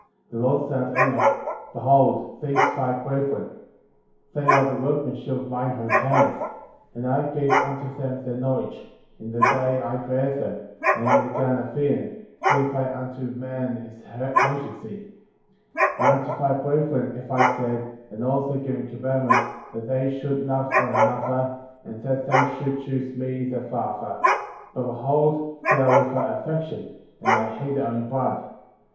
* 32. The Lord said unto Enoch: Behold these thy brethren ; they are the workmanship of mine own hands,^ and I gave unto them their knowledge, in the day I created them ; and in the Garden of Eden,*^ gave I unto man his agency f 33. And tmto thy brethren have I said, and also given commandment, that they should love one another, and that they should choose me, their Father ;^ but behold, they are without affection, and they hate their own blood;* 34.